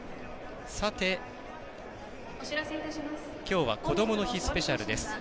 きょうは「こどもの日スペシャル」です。